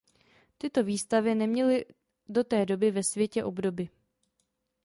Tyto výstavy neměly do té doby ve světě obdoby.